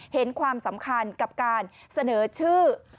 เห็นความสำคัญกับการเสนอชื่อ